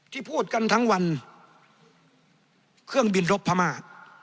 พูดกันทั้งวันเครื่องบินรบพม่า